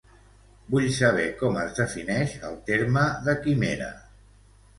Vull saber com es defineix el terme de quimera.